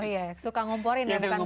oh iya suka ngomporin ya bukan kompornya